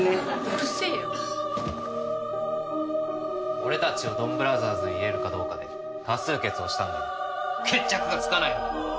俺たちをドンブラザーズに入れるかどうかで多数決をしたんだが決着がつかないのだ。